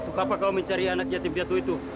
tukapa kau mencari anak jatim piatu itu